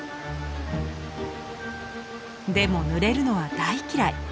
でも濡れるのは大嫌い。